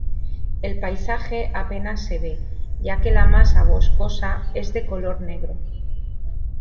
El paisaje apenas se ve, ya que la masa boscosa es de color negro.